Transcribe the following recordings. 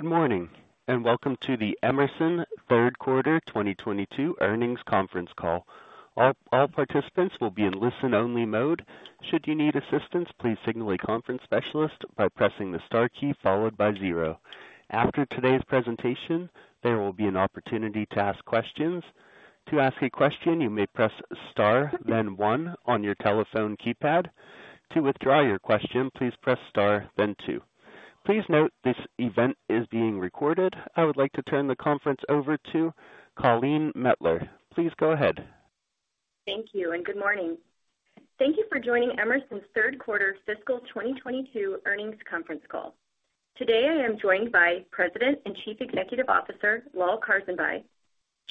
Good morning, and welcome to the Emerson Q3 2022 Earnings Conference Call. All participants will be in listen-only mode. Should you need assistance, please signal a conference specialist by pressing the star key followed by zero. After today's presentation, there will be an opportunity to ask questions. To ask a question, you may press star then 1 on your telephone keypad. To withdraw your question, please press star then 2. Please note this event is being recorded. I would like to turn the conference over to Colleen Mettler. Please go ahead. Thank you and good morning. Thank you for joining Emerson's Q3 fiscal 2022 earnings conference call. Today, I am joined by President and Chief Executive Officer Lal Karsanbhai,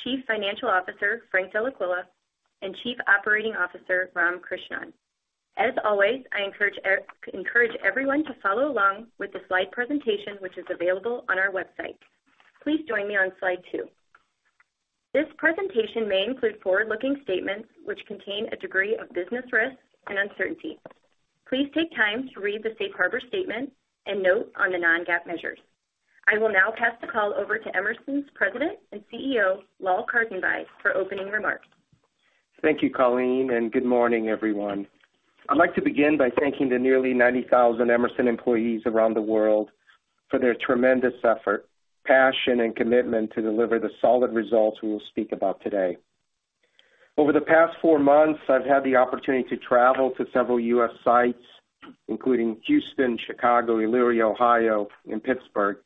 Chief Financial Officer Frank Dellaquila, and Chief Operating Officer Ram Krishnan. As always, I encourage everyone to follow along with the slide presentation, which is available on our website. Please join me on slide 2. This presentation may include forward-looking statements which contain a degree of business risks and uncertainty. Please take time to read the safe harbor statement and note on the non-GAAP measures. I will now pass the call over to Emerson's President and CEO, Lal Karsanbhai for opening remarks. Thank you, Colleen, and good morning, everyone. I'd like to begin by thanking the nearly 90,000 Emerson employees around the world for their tremendous effort, passion, and commitment to deliver the solid results we will speak about today. Over the past four months, I've had the opportunity to travel to several U.S. sites, including Houston, Chicago, Elyria, Ohio, and Pittsburgh,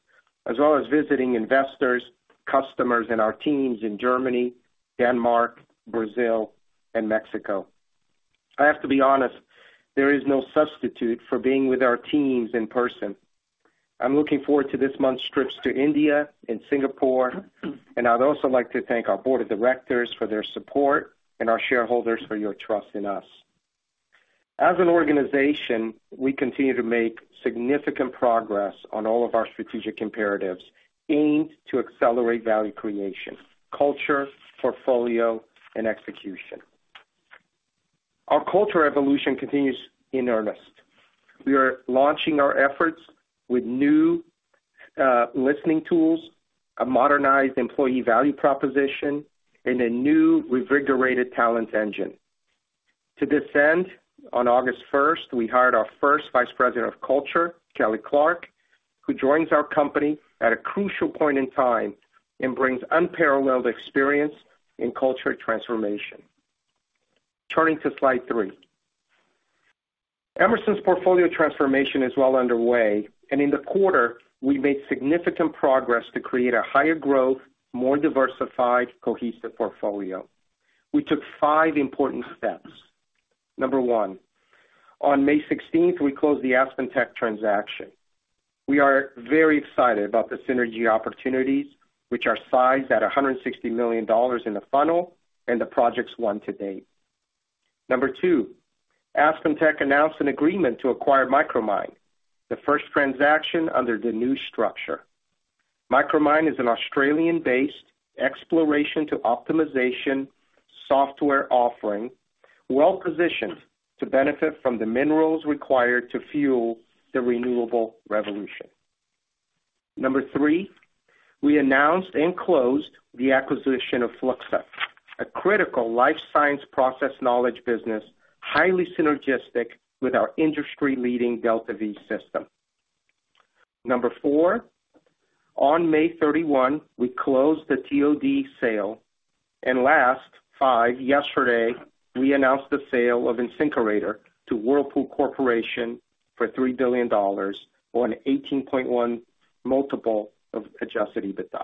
as well as visiting investors, customers, and our teams in Germany, Denmark, Brazil, and Mexico. I have to be honest, there is no substitute for being with our teams in person. I'm looking forward to this month's trips to India and Singapore, and I'd also like to thank our board of directors for their support and our shareholders for your trust in us. As an organization, we continue to make significant progress on all of our strategic imperatives aimed to accelerate value creation, culture, portfolio, and execution. Our culture evolution continues in earnest. We are launching our efforts with new, listening tools, a modernized employee value proposition, and a new, reinvigorated talent engine. To this end, on August first, we hired our first Vice President of Culture, Kelly Clark, who joins our company at a crucial point in time and brings unparalleled experience in culture transformation. Turning to slide 3. Emerson's portfolio transformation is well underway, and in the quarter, we made significant progress to create a higher growth, more diversified, cohesive portfolio. We took 5 important steps. Number 1, on May sixteenth, we closed the AspenTech transaction. We are very excited about the synergy opportunities, which are sized at $160 million in the funnel and the projects won to date. Number 2, AspenTech announced an agreement to acquire Micromine, the first transaction under the new structure. Micromine is an Australian-based exploration to optimization software offering, well-positioned to benefit from the minerals required to fuel the renewable revolution. 3, we announced and closed the acquisition of Fluxa, a critical life science process knowledge business, highly synergistic with our industry-leading DeltaV system. Number 4, on May 31, we closed the TOD sale. Last, 5, yesterday, we announced the sale of InSinkErator to Whirlpool Corporation for $3 billion on an 18.1x multiple of adjusted EBITDA.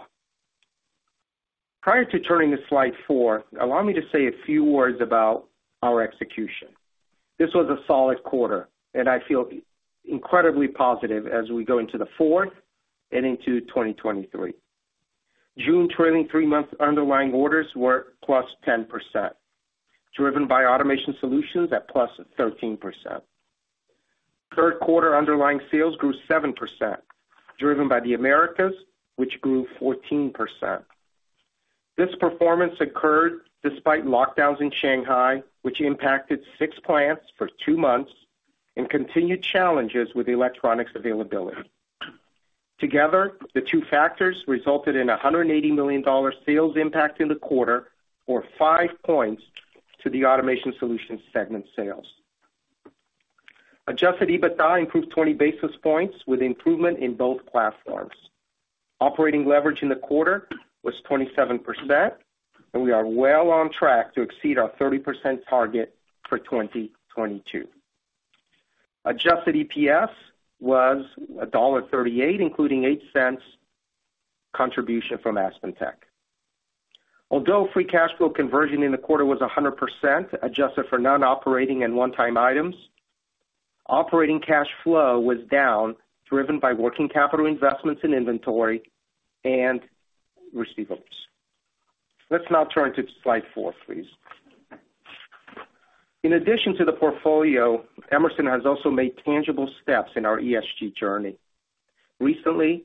Prior to turning to slide 4, allow me to say a few words about our execution. This was a solid quarter, and I feel incredibly positive as we go into the fourth and into 2023. June trailing 3-month underlying orders were +10%, driven by Automation Solutions at +13%. Third quarter underlying sales grew 7%, driven by the Americas, which grew 14%. This performance occurred despite lockdowns in Shanghai, which impacted 6 plants for 2 months and continued challenges with electronics availability. Together, the two factors resulted in $180 million sales impact in the quarter or 5 points to the Automation Solutions segment sales. Adjusted EBITDA improved 20 basis points with improvement in both platforms. Operating leverage in the quarter was 27%, and we are well on track to exceed our 30% target for 2022. Adjusted EPS was $1.38, including $0.08 contribution from AspenTech. Although free cash flow conversion in the quarter was 100%, adjusted for non-operating and one-time items, operating cash flow was down, driven by working capital investments in inventory and receivables. Let's now turn to slide 4, please. In addition to the portfolio, Emerson has also made tangible steps in our ESG journey. Recently,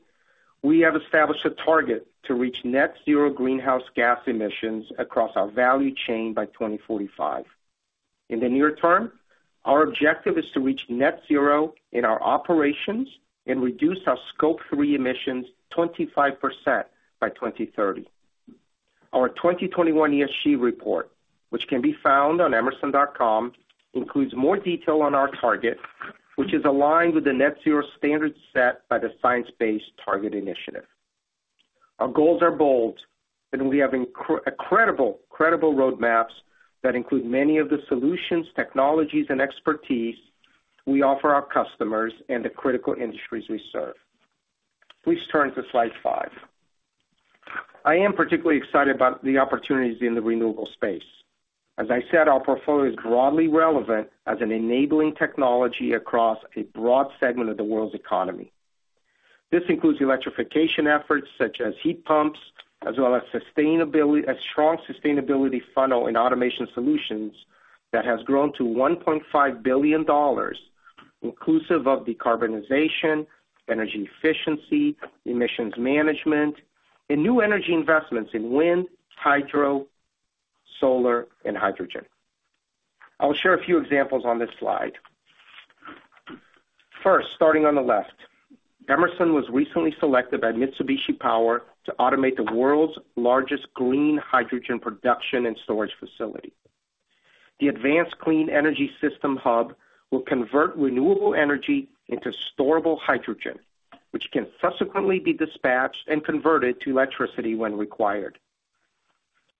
we have established a target to reach net-zero greenhouse gas emissions across our value chain by 2045. In the near term, our objective is to reach net zero in our operations and reduce our scope three emissions 25% by 2030. Our 2021 ESG report, which can be found on emerson.com, includes more detail on our target, which is aligned with the net-zero standard set by the Science Based Targets initiative. Our goals are bold, and we have incredible, credible roadmaps that include many of the solutions, technologies, and expertise we offer our customers and the critical industries we serve. Please turn to slide 5. I am particularly excited about the opportunities in the renewable space. As I said, our portfolio is broadly relevant as an enabling technology across a broad segment of the world's economy. This includes electrification efforts such as heat pumps, as well as sustainability, a strong sustainability funnel in Automation Solutions that has grown to $1.5 billion, inclusive of decarbonization, energy efficiency, emissions management, and new energy investments in wind, hydro, solar, and hydrogen. I will share a few examples on this slide. First, starting on the left, Emerson was recently selected by Mitsubishi Power to automate the world's largest green hydrogen production and storage facility. The Advanced Clean Energy Storage Hub will convert renewable energy into storable hydrogen, which can subsequently be dispatched and converted to electricity when required.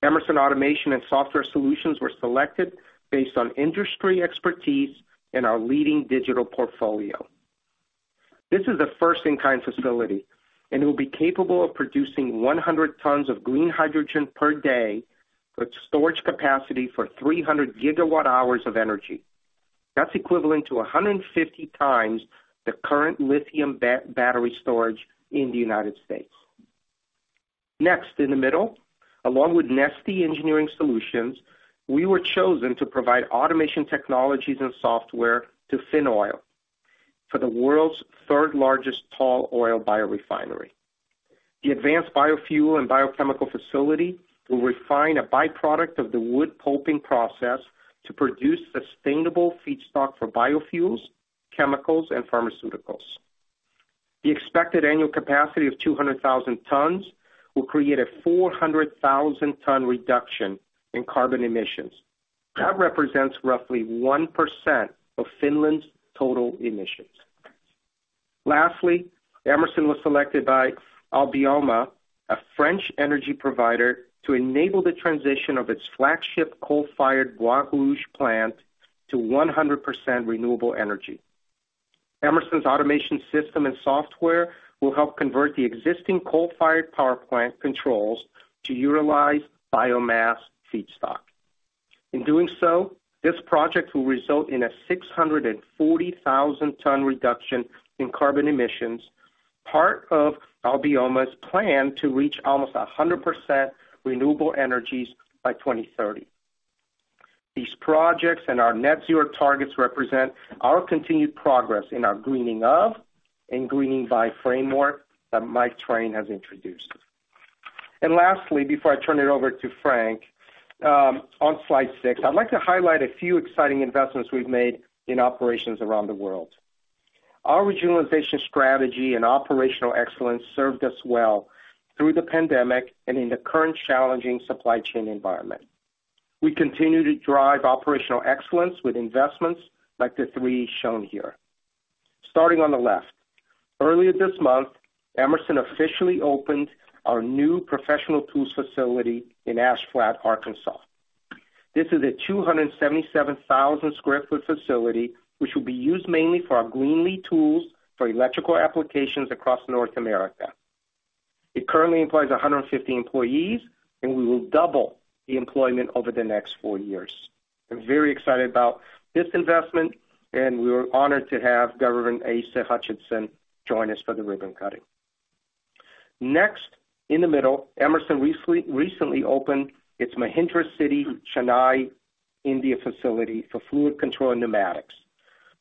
Emerson automation and software solutions were selected based on industry expertise and our leading digital portfolio. This is a first-of-its-kind facility, and it will be capable of producing 100 tons of green hydrogen per day, with storage capacity for 300 gWh of energy. That's equivalent to 150X the current lithium battery storage in the United States. Next, in the middle, along with Neste Engineering Solutions, we were chosen to provide automation technologies and software to Fintoil for the world's third-largest tall oil biorefinery. The advanced biofuel and biochemical facility will refine a byproduct of the wood pulping process to produce sustainable feedstock for biofuels, chemicals, and pharmaceuticals. The expected annual capacity of 200,000 tons will create a 400,000-ton reduction in carbon emissions. That represents roughly 1% of Finland's total emissions. Lastly, Emerson was selected by Albioma, a French energy provider, to enable the transition of its flagship coal-fired Bois Rouge plant to 100% renewable energy. Emerson's automation system and software will help convert the existing coal-fired power plant controls to utilize biomass feedstock. In doing so, this project will result in a 640,000 ton reduction in carbon emissions, part of Albioma's plan to reach almost 100% renewable energies by 2030. These projects and our net zero targets represent our continued progress in our greening of and greening by framework that Mike Train has introduced. Lastly, before I turn it over to Frank, on slide 6, I'd like to highlight a few exciting investments we've made in operations around the world. Our rejuvenation strategy and operational excellence served us well through the pandemic and in the current challenging supply chain environment. We continue to drive operational excellence with investments like the three shown here. Starting on the left. Earlier this month, Emerson officially opened our new professional tools facility in Ash Flat, Arkansas. This is a 277,000 sq. ft. facility, which will be used mainly for our Greenlee tools for electrical applications across North America. It currently employs 150 employees, and we will double the employment over the next four years. I'm very excited about this investment, and we were honored to have Governor Asa Hutchinson join us for the ribbon cutting. Next, in the middle, Emerson recently opened its Mahindra City, Chennai, India facility for fluid control and pneumatics.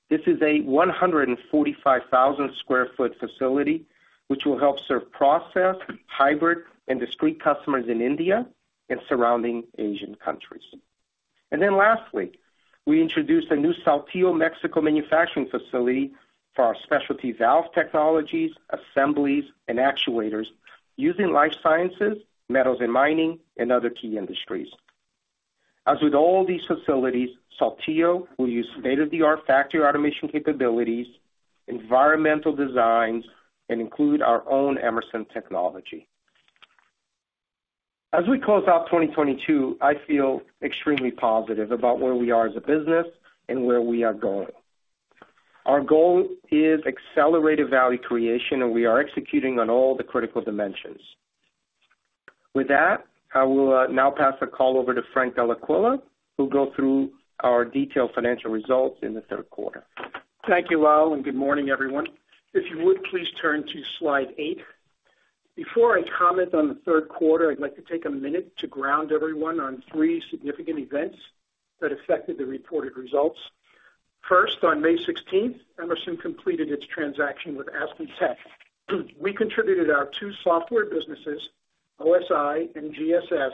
This is a 145,000 sq. ft. facility, which will help serve process, hybrid, and discrete customers in India and surrounding Asian countries. Lastly, we introduced a new Saltillo, Mexico, manufacturing facility for our specialty valve technologies, assemblies, and actuators using life sciences, metals and mining, and other key industries. As with all these facilities, Saltillo will use state-of-the-art factory automation capabilities, environmental designs, and include our own Emerson technology. As we close out 2022, I feel extremely positive about where we are as a business and where we are going. Our goal is accelerated value creation, and we are executing on all the critical dimensions. With that, I will now pass the call over to Frank Dellaquila, who'll go through our detailed financial results in the Q3. Thank you, Lal, and good morning, everyone. If you would, please turn to slide 8. Before I comment on the Q3, I'd like to take a minute to ground everyone on three significant events that affected the reported results. First, on May 16th, Emerson completed its transaction with AspenTech. We contributed our two software businesses, OSI and GSS,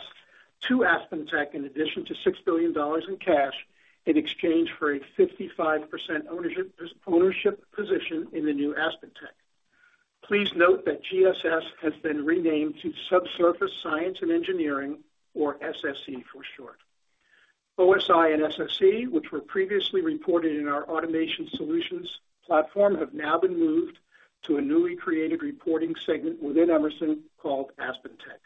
to AspenTech, in addition to $6 billion in cash, in exchange for a 55% ownership position in the new AspenTech. Please note that GSS has been renamed to Subsurface Science and Engineering, or SSE for short. OSI and SSE, which were previously reported in our Automation Solutions platform, have now been moved to a newly created reporting segment within Emerson called AspenTech.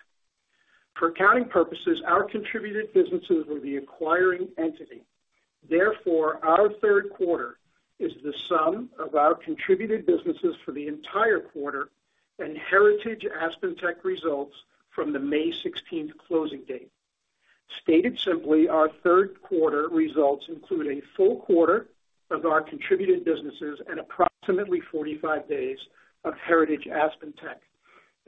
For accounting purposes, our contributed businesses will be acquiring entity. Therefore, our Q3 is the sum of our contributed businesses for the entire quarter and heritage AspenTech results from the May sixteenth closing date. Stated simply, our Q3 results include a full quarter of our contributed businesses and approximately 45 days of heritage AspenTech.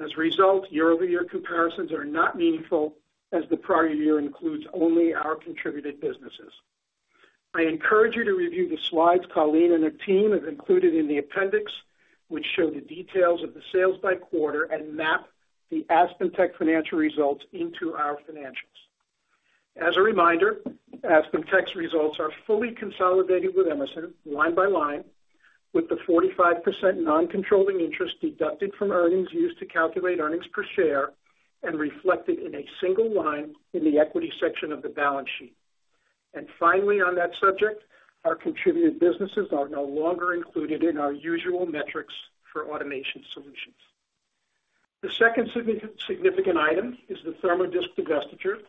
As a result, year-over-year comparisons are not meaningful as the prior year includes only our contributed businesses. I encourage you to review the slides Colleen and her team have included in the appendix, which show the details of the sales by quarter and map the AspenTech financial results into our financials. As a reminder, AspenTech results are fully consolidated with Emerson line by line, with the 45% non-controlling interest deducted from earnings used to calculate earnings per share and reflected in a single line in the equity section of the balance sheet. Finally, on that subject, our contributed businesses are no longer included in our usual metrics for Automation Solutions. The second significant item is the Therm-O-Disc divestiture,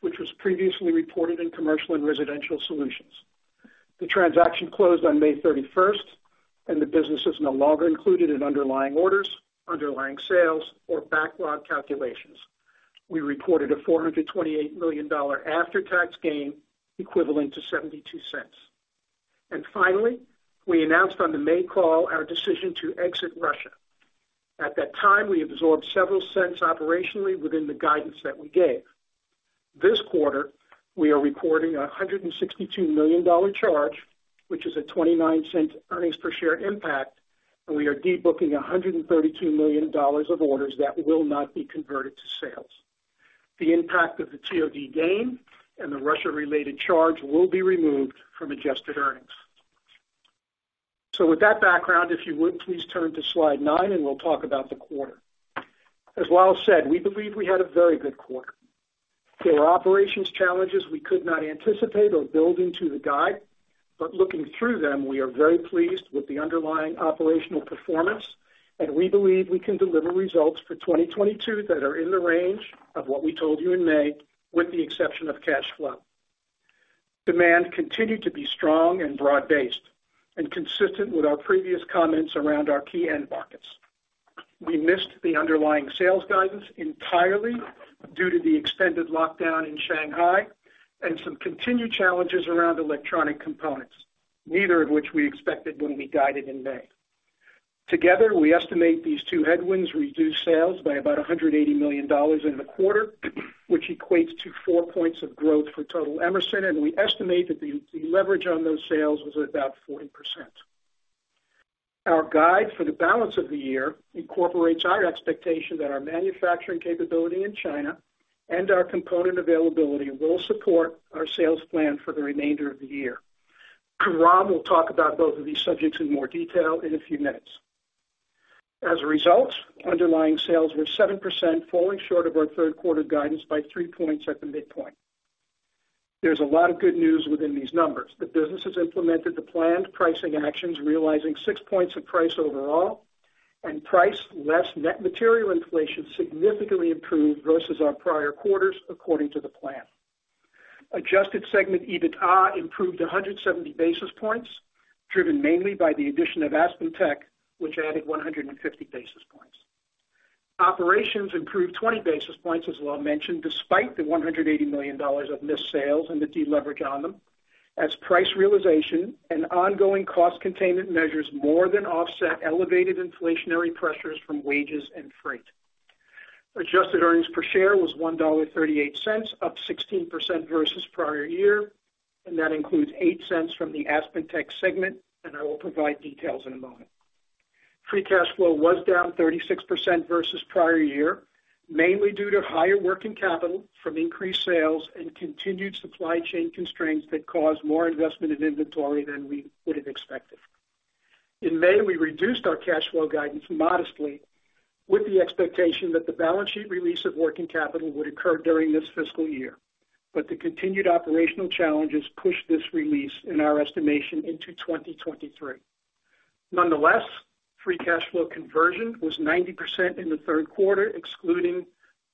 which was previously reported in Commercial and Residential Solutions. The transaction closed on May 31st, and the business is no longer included in underlying orders, underlying sales or backlog calculations. We reported a $428 million after-tax gain, equivalent to $0.72. Finally, we announced on the May call our decision to exit Russia. At that time, we absorbed several cents operationally within the guidance that we gave. This quarter, we are reporting a $162 million charge, which is a $0.29 earnings per share impact, and we are debooking a $132 million of orders that will not be converted to sales. The impact of the TOD gain and the Russia-related charge will be removed from adjusted earnings. With that background, if you would please turn to slide 9, and we'll talk about the quarter. As Lal said, we believe we had a very good quarter. There were operations challenges we could not anticipate or build into the guide, but looking through them, we are very pleased with the underlying operational performance, and we believe we can deliver results for 2022 that are in the range of what we told you in May, with the exception of cash flow. Demand continued to be strong and broad-based and consistent with our previous comments around our key end markets. We missed the underlying sales guidance entirely due to the extended lockdown in Shanghai and some continued challenges around electronic components, neither of which we expected when we guided in May. Together, we estimate these two headwinds reduced sales by about $180 million in the quarter, which equates to 4 points of growth for total Emerson, and we estimate that the leverage on those sales was about 40%. Our guide for the balance of the year incorporates our expectation that our manufacturing capability in China and our component availability will support our sales plan for the remainder of the year. Ram will talk about both of these subjects in more detail in a few minutes. As a result, underlying sales were 7%, falling short of our Q3 guidance by 3 points at the midpoint. There's a lot of good news within these numbers. The business has implemented the planned pricing actions, realizing 6 points of price overall, and price less net material inflation significantly improved versus our prior quarters, according to the plan. Adjusted segment EBITDA improved 170 basis points, driven mainly by the addition of AspenTech, which added 150 basis points. Operations improved 20 basis points, as Lyle mentioned, despite the $180 million of missed sales and the deleverage on them, as price realization and ongoing cost containment measures more than offset elevated inflationary pressures from wages and freight. Adjusted earnings per share were $1.38, up 16% versus the prior year, and that includes $0.08 from the AspenTech segment, and I will provide details in a moment. Free cash flow was down 36% versus prior year, mainly due to higher working capital from increased sales and continued supply chain constraints that caused more investment in inventory than we would have expected. In May, we reduced our cash flow guidance modestly with the expectation that the balance sheet release of working capital would occur during this fiscal year. The continued operational challenges pushed this release, in our estimation, into 2023. Nonetheless, free cash flow conversion was 90% in Q3, excluding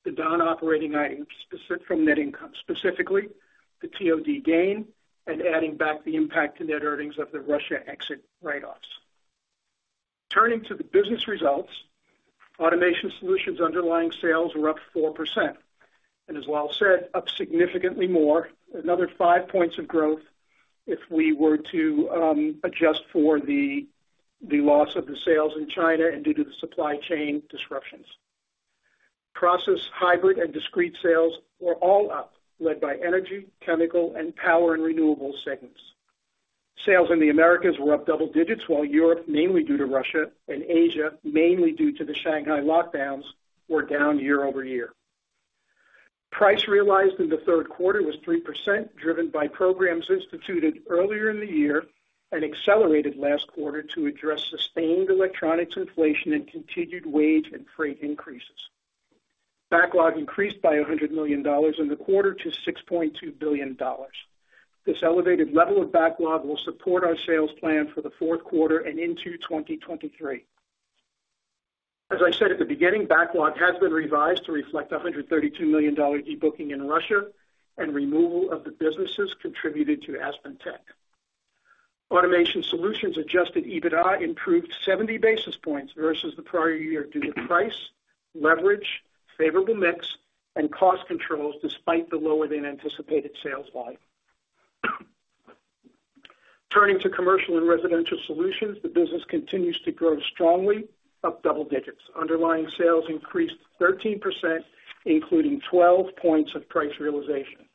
the non-operating items from net income, specifically the TOD gain, and adding back the impact to net earnings of the Russia exit write-offs. Turning to the business results, Automation Solutions' underlying sales were up 4%. As Lyle said, up significantly more, another 5 points of growth, if we were to adjust for the loss of sales in China and due to the supply chain disruptions. Process, hybrid, and discrete sales were all up, led by energy, chemical, and power, and renewable segments. Sales in the Americas were up double digits, while Europe, mainly due to Russia, and Asia, mainly due to the Shanghai lockdowns, were down year-over-year. Price realized in the Q3 was 3%, driven by programs instituted earlier in the year and accelerated last quarter to address sustained electronics inflation and continued wage and freight increases. Backlog increased by $100 million in the quarter to $6.2 billion. This elevated level of backlog will support our sales plan for the Q4 and into 2023. As I said at the beginning, backlog has been revised to reflect a $132 million de-booking in Russia, and the removal of the businesses contributed to AspenTech. Automation Solutions' adjusted EBITDA improved 70 basis points versus the prior year due to price, leverage, favorable mix, and cost controls, despite the lower-than-anticipated sales line. Turning to commercial and residential solutions, the business continues to grow strongly, up double digits. Underlying sales increased 13%, including 12 points of price realization.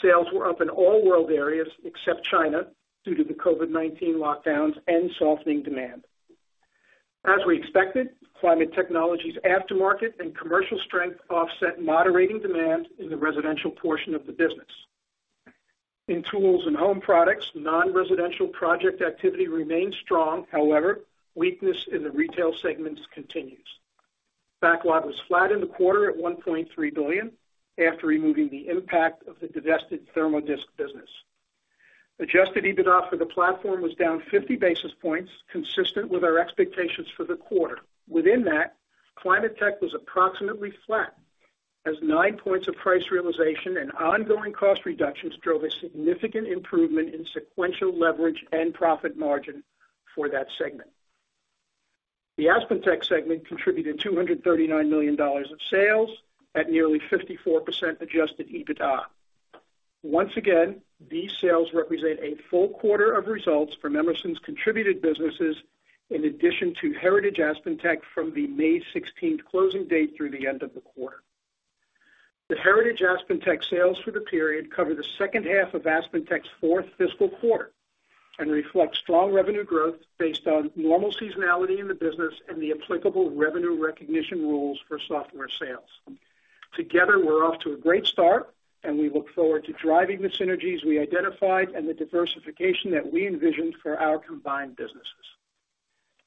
Sales were up in all world areas except China due to the COVID-19 lockdowns and softening demand. As we expected, climate technologies' aftermarket and commercial strength offset moderating demand in the residential portion of the business. In tools and home products, non-residential project activity remains strong. However, weakness in the retail segments continues. Backlog was flat in the quarter at $1.3 billion after removing the impact of the divested Therm-O-Disc business. Adjusted EBITDA for the platform was down 50 basis points, consistent with our expectations for the quarter. Within that, climate tech was approximately flat, as 9 points of price realization and ongoing cost reductions drove a significant improvement in sequential leverage and profit margin for that segment. The AspenTech segment contributed $239 million of sales at nearly 54% adjusted EBITDA. Once again, these sales represent a full quarter of results from Emerson's contributed businesses in addition to heritage AspenTech from the May sixteenth closing date through the end of the quarter. The heritage AspenTech sales for the period cover the second half of AspenTech's fourth fiscal quarter and reflect strong revenue growth based on normal seasonality in the business and the applicable revenue recognition rules for software sales. Together, we're off to a great start, and we look forward to driving the synergies we identified and the diversification that we envisioned for our combined businesses.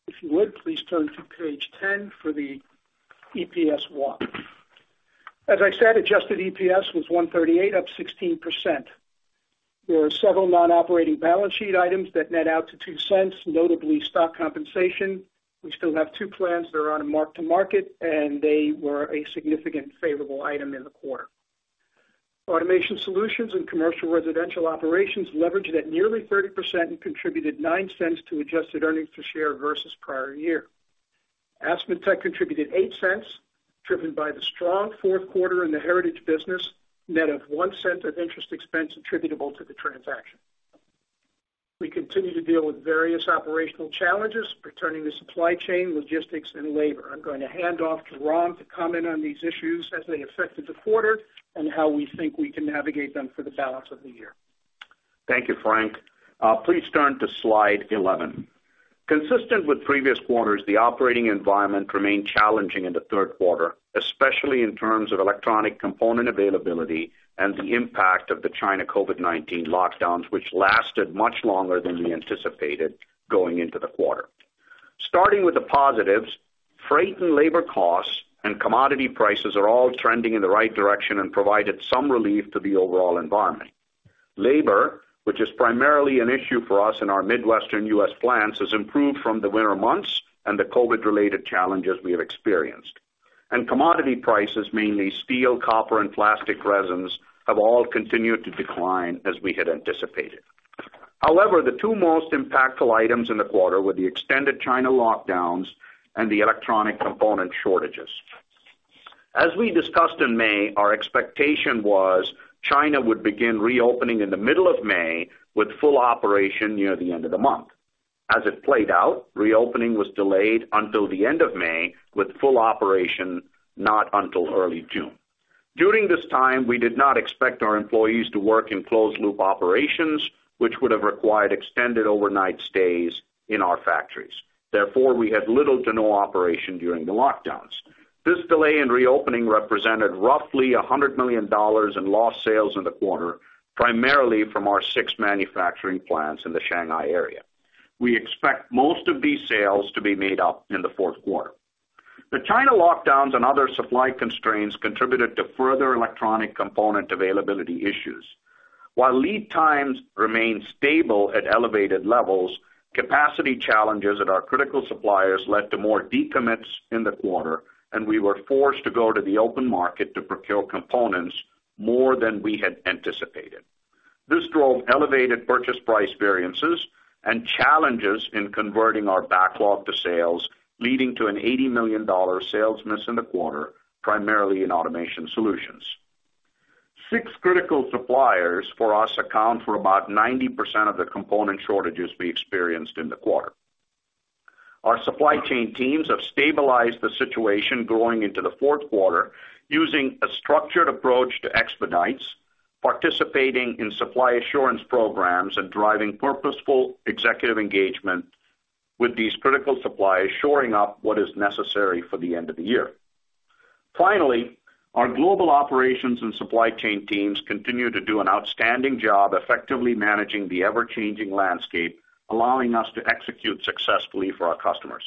If you would, please turn to page 10 for the EPS walk. As I said, adjusted EPS was $1.38, up 16%. There are several non-operating balance sheet items that net out to $0.02, notably stock compensation. We still have 2 plans that are on a mark-to-market, and they were a significant favorable item in the quarter. Automation Solutions and Commercial & Residential operations leveraged at nearly 30% and contributed $0.09 to adjusted earnings per share versus the prior year. AspenTech contributed $0.08, driven by the strong Q4 in the heritage business, net of $0.01 of interest expense attributable to the transaction. We continue to deal with various operational challenges pertaining to supply chain, logistics, and labor. I'm going to hand off to Ram to comment on these issues as they affected the quarter and how we think we can navigate them for the balance of the year. Thank you, Frank. Please turn to slide 11. Consistent with previous quarters, the operating environment remained challenging in the Q3, especially in terms of electronic component availability and the impact of the China COVID-19 lockdowns, which lasted much longer than we anticipated going into the quarter. Starting with the positives, freight and labor costs and commodity prices are all trending in the right direction and provided some relief to the overall environment. Labor, which is primarily an issue for us in our Midwestern U.S. plants, has improved from the winter months and the COVID-related challenges we have experienced. Commodity prices, mainly steel, copper and plastic resins, have all continued to decline as we had anticipated. However, the two most impactful items in the quarter were the extended China lockdowns and the electronic component shortages. As we discussed in May, our expectation was the China would begin reopening in the middle of May with full operation near the end of the month. As it played out, reopening was delayed until the end of May, with full operation not until early June. During this time, we did not expect our employees to work in closed loop operations, which would have required extended overnight stays in our factories. Therefore, we had little to no operation during the lockdowns. This delay in reopening represented roughly $100 million in lost sales in the quarter, primarily from our six manufacturing plants in the Shanghai area. We expect most of these sales to be made up in the Q4. The China lockdowns and other supply constraints contributed to further electronic component availability issues. While lead times remained stable at elevated levels, capacity challenges at our critical suppliers led to more decommits in the quarter, and we were forced to go to the open market to procure components more than we had anticipated. This drove elevated purchase price variances and challenges in converting our backlog to sales, leading to an $80 million sales miss in the quarter, primarily in Automation Solutions. Six critical suppliers for us account for about 90% of the component shortages we experienced in the quarter. Our supply chain teams have stabilized the situation going into the Q4 using a structured approach to expedite participating in supply assurance programs, and driving purposeful executive engagement with these critical suppliers, shoring up what is necessary for the end of the year. Finally, our global operations and supply chain teams continue to do an outstanding job effectively managing the ever-changing landscape, allowing us to execute successfully for our customers.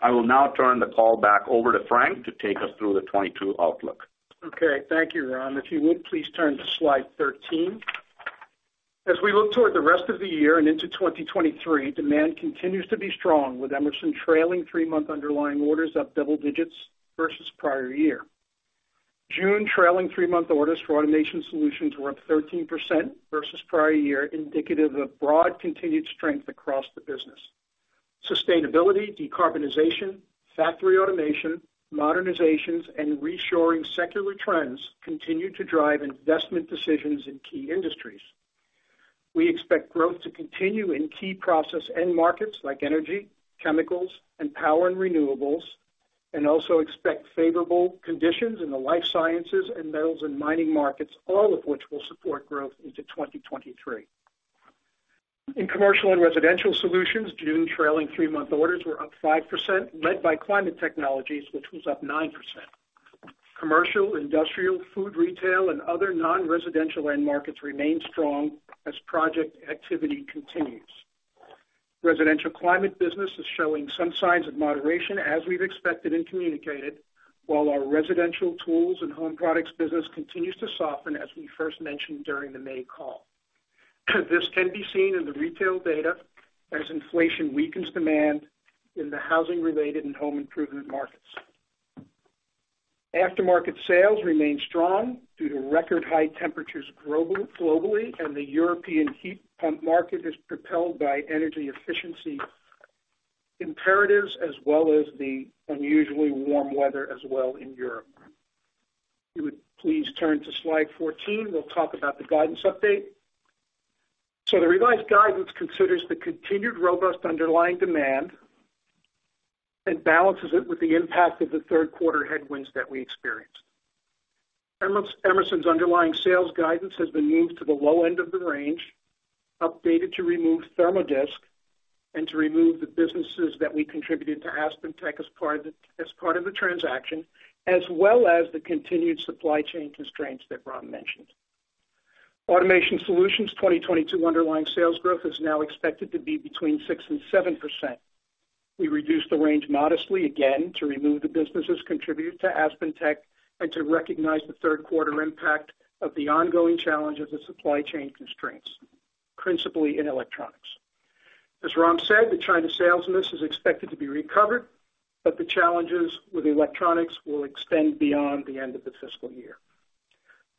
I will now turn the call back over to Frank to take us through the 2022 outlook. Okay. Thank you, Ram. If you would, please turn to slide 13. As we look toward the rest of the year and into 2023, demand continues to be strong, with Emerson trailing 3-month underlying orders up double digits versus prior year. June trailing 3-month orders for Automation Solutions were up 13% versus prior year, indicative of broad continued strength across the business. Sustainability, decarbonization, factory automation, modernizations, and reshoring secular trends continue to drive investment decisions in key industries. We expect growth to continue in key process end markets like energy, chemicals, and power and renewables, and also expect favorable conditions in the life sciences and metals and mining markets, all of which will support growth into 2023. In Commercial and Residential Solutions, June trailing 3-month orders were up 5%, led by climate technologies, which was up 9%. Commercial, industrial, food, retail, and other non-residential end markets remain strong as project activity continues. Residential climate business is showing some signs of moderation, as we've expected and communicated, while our residential tools and home products business continues to soften as we first mentioned during the May call. This can be seen in the retail data as inflation weakens demand in the housing-related and home improvement markets. Aftermarket sales remain strong due to record high temperatures globally, and the European heat pump market is propelled by energy efficiency imperatives as well as the unusually warm weather in Europe. If you would please turn to slide 14, we'll talk about the guidance update. The revised guidance considers the continued robust underlying demand and balances it with the impact of the Q3 headwinds that we experienced. Emerson's underlying sales guidance has been moved to the low end of the range, updated to remove Therm-O-Disc, and to remove the businesses that we contributed to AspenTech as part of the transaction, as well as the continued supply chain constraints that Ram mentioned. Automation Solutions' 2022 underlying sales growth is now expected to be between 6% and 7%. We reduced the range modestly again to remove the businesses that contributed to AspenTech and to recognize the Q3 impact of the ongoing challenge of the supply chain constraints, principally in electronics. As Ram said, the China sales miss is expected to be recovered, but the challenges with electronics will extend beyond the end of the fiscal year.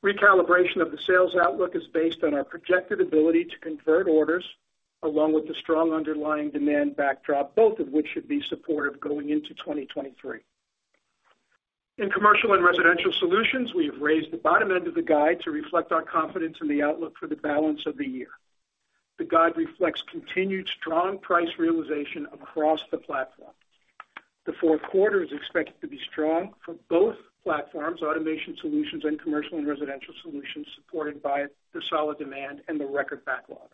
Recalibration of the sales outlook is based on our projected ability to convert orders along with the strong underlying demand backdrop, both of which should be supportive going into 2023. In Commercial and Residential Solutions, we have raised the bottom end of the guide to reflect our confidence in the outlook for the balance of the year. The guide reflects continued strong price realization across the platform. The Q4 is expected to be strong for both platforms, Automation Solutions and Commercial and Residential Solutions, supported by the solid demand and the record backlog.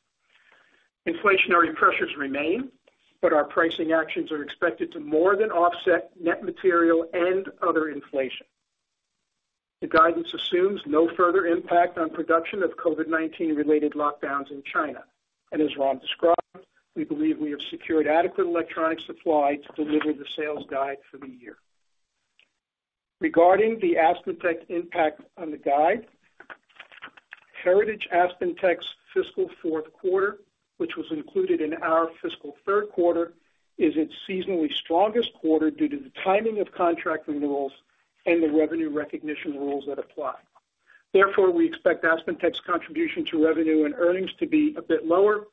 Inflationary pressures remain, but our pricing actions are expected to more than offset net material and other inflation. The guidance assumes no further impact on the production of COVID-19 related lockdowns in China. As Ram described, we believe we have secured adequate electronic supply to deliver the sales guide for the year. Regarding the AspenTech impact on the guide, Heritage AspenTech's fiscal Q4, which was included in our fiscal Q3, is its seasonally strongest quarter due to the timing of contract renewals and the revenue recognition rules that apply. Therefore, we expect AspenTech's contribution to revenue and earnings to be a bit lower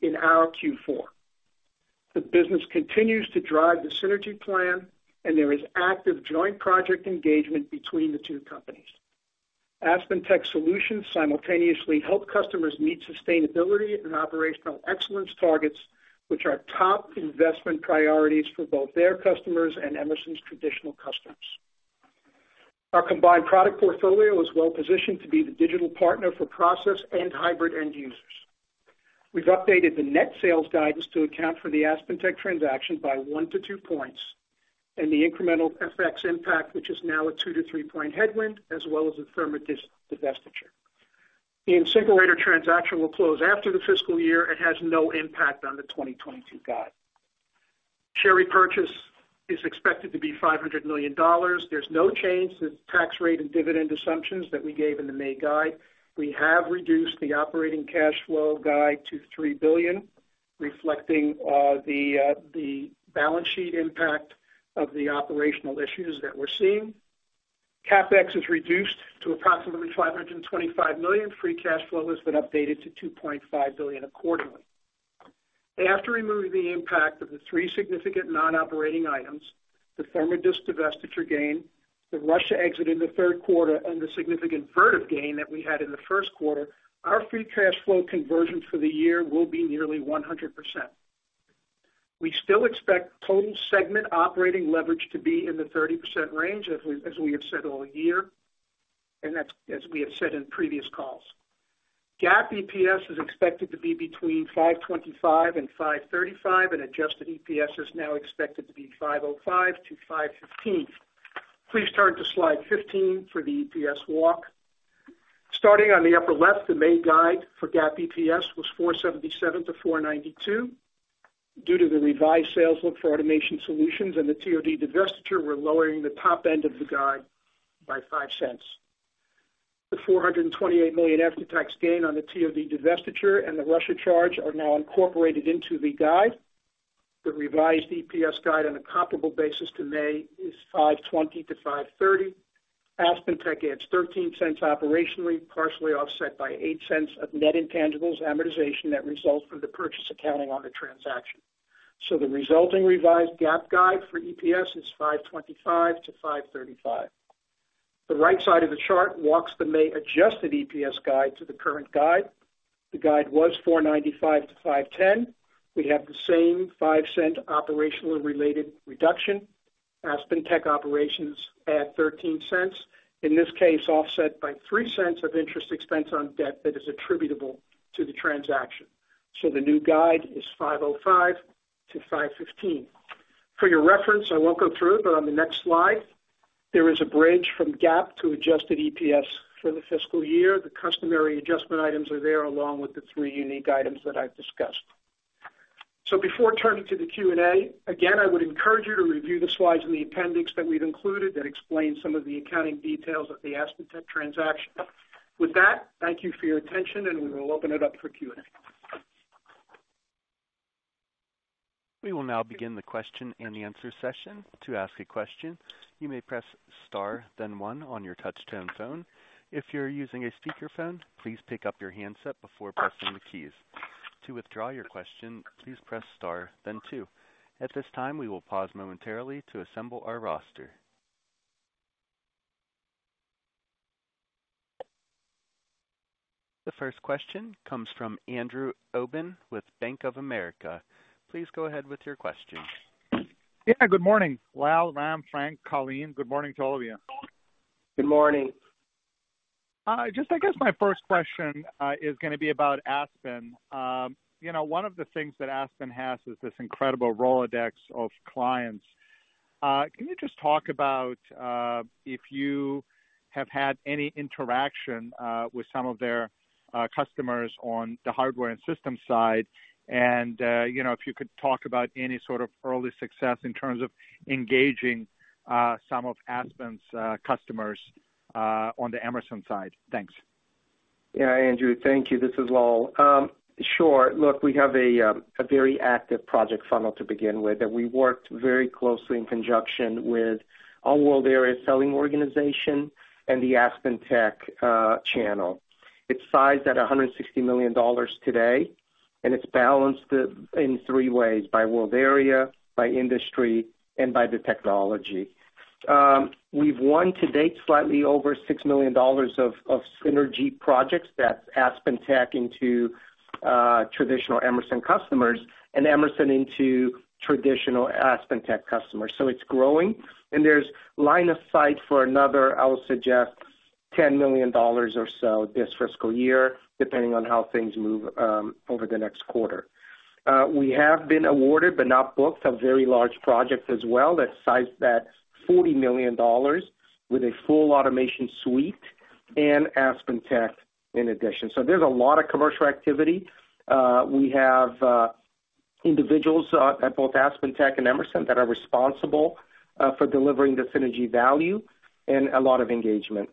in our Q4. The business continues to drive the synergy plan, and there is active joint project engagement between the two companies. AspenTech solutions simultaneously help customers meet sustainability and operational excellence targets, which are top investment priorities for both their customers and Emerson's traditional customers. Our combined product portfolio is well positioned to be the digital partner for process and hybrid end users. We've updated the net sales guidance to account for the AspenTech transaction by 1-2 points, and the incremental FX impact, which is now a 2-3 point headwind, as well as the Therm-O-Disc divestiture. The InSinkErator transaction will close after the fiscal year and has no impact on the 2022 guide. Share repurchase is expected to be $500 million. There's no change to the tax rate and dividend assumptions that we gave in the May guide. We have reduced the operating cash flow guide to $3 billion, reflecting the balance sheet impact of the operational issues that we're seeing. CapEx is reduced to approximately $525 million. Free cash flow has been updated to $2.5 billion accordingly. After removing the impact of the three significant non-operating items, the Therm-O-Disc divestiture gain, the Russia exit in the Q3, and the significant Vertiv gain that we had in the first quarter, our free cash flow conversion for the year will be nearly 100%. We still expect total segment operating leverage to be in the 30% range, as we have said all year, and that's as we have said in previous calls. GAAP EPS is expected to be between $5.25 and $5.35, and adjusted EPS is now expected to be $5.05-$5.15. Please turn to slide 15 for the EPS walk. Starting on the upper left, the May guide for GAAP EPS was $4.77-$4.92. Due to the revised sales look for Automation Solutions and the TOD divestiture, we're lowering the top end of the guide by $0.05. The $428 million after-tax gain on the TOD divestiture and the Russia charge are now incorporated into the guide. The revised EPS guide on a comparable basis to May is $5.20-$5.30. AspenTech adds $0.13 operationally, partially offset by $0.08 of net intangibles amortization that results from the purchase accounting on the transaction. The resulting revised GAAP guide for EPS is $5.25-$5.35. The right side of the chart walks the May adjusted EPS guide to the current guide. The guide was $4.95-$5.10. We have the same $0.05 operationally related reduction. AspenTech operations add $0.13, in this case offset by $0.03 of interest expense on debt that is attributable to the transaction. The new guide is $5.05-$5.15. For your reference, I won't go through it, but on the next slide, there is a bridge from GAAP to adjusted EPS for the fiscal year. The customary adjustment items are there, along with the three unique items that I've discussed. Before turning to the Q&A, again, I would encourage you to review the slides in the appendix that we've included that explain some of the accounting details of the AspenTech transaction. With that, thank you for your attention, and we will open it up for Q&A. We will now begin the question and answer session. To ask a question, you may press star then 1 on your touchtone phone. If you're using a speakerphone, please pick up your handset before pressing the keys. To withdraw your question, please press star then 2. At this time, we will pause momentarily to assemble our roster. The first question comes from Andrew Obin with Bank of America. Please go ahead with your question. good morning, Lal, Ram, Frank, Colleen. Good morning to all of you. Good morning. I guess my first question is gonna be about AspenTech. one of the things that AspenTech has is this incredible Rolodex of clients. Can you just talk about if you have had any interaction with some of their customers on the hardware and system side, and if you could talk about any sort of early success in terms of engaging some of AspenTech's customers on the Emerson side? Thanks. Andrew, thank you. This is Lal. Sure. Look, we have a very active project funnel to begin with that we worked very closely in conjunction with our World Area Selling organization and the AspenTech channel. It's sized at $160 million today, and it's balanced it in three ways, by world area, by industry, and by the technology. We've won to date slightly over $6 million of synergy projects. That's AspenTech into traditional Emerson customers and Emerson into traditional AspenTech customers. So it's growing, and there's line of sight for another, I'll suggest, $10 million or so this fiscal year, depending on how things move over the next quarter. We have been awarded but not booked a very large project as well that's sized at $40 million with a full automation suite and AspenTech in addition. There's a lot of commercial activity. We have individuals at both AspenTech and Emerson who are responsible for delivering the synergy value and a lot of engagement.